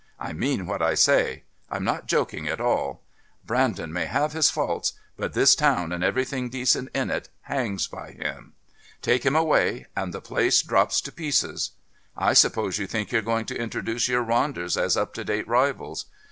"I mean what I say. I'm not joking at all. Brandon may have his faults, but this town and everything decent in it hangs by him. Take him away and the place drops to pieces. I suppose you think you're going to introduce your Ronders as up to date rivals.